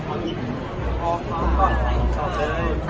ตอนนี้ยังไม่ได้พอมค่ะ